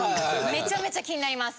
めちゃめちゃ気になります。